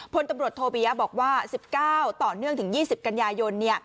พตโธปียะบอกว่า๑๙ต่อเนื่องถึง๒๐กัญญายน